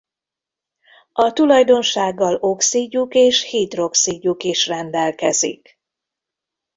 A tulajdonsággal oxidjuk és hidroxidjuk is rendelkezik.